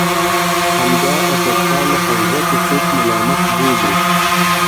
همدا ادبپاله حوزه که څوک ملامت بولي.